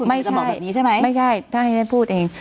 ไม่ใช่ไม่ใช่น่าให้พูดเอง